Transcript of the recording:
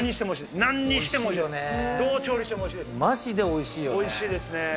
なんにしてもおいしいです、おいしいよね。